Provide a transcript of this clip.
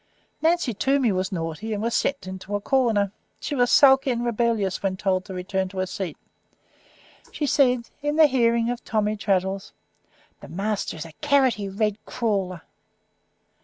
Nancy Toomey was naughty, and was sent into a corner. She was sulky and rebellious when told to return to her seat. She said, in the hearing of Tommy Traddles, "The master is a carroty headed crawler."